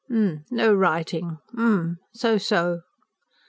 "No writing? H'm! So ... so!"